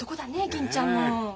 銀ちゃんも。